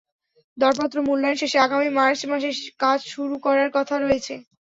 দরপত্র মূল্যায়ন শেষে আগামী মার্চ মাসে কাজ শুরু করার কথা রয়েছে।